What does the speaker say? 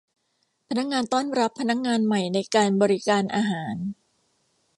พนักงานต้อนรับพนักงานใหม่ในการบริการอาหาร